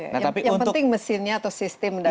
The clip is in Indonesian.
yang penting mesinnya atau sistem